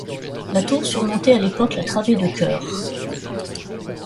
La tour surmontait à l'époque la travée de chœur.